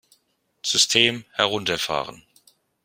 System herunterfahren!